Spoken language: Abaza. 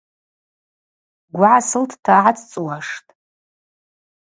Гвы гӏасылтта гӏацӏцӏуаштӏ.